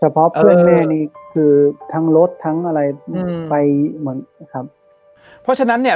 เพราะเพื่อนแม่นี่คือทั้งรถทั้งอะไรอืมไปหมดนะครับเพราะฉะนั้นเนี่ย